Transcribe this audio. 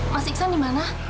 mas iksan di mana